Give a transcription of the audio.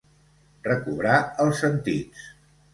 Recobrar els sentits.